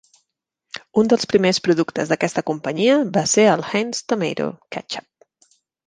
Un dels primers productes d'aquesta companyia va ser el Heinz Tomato Ketchup.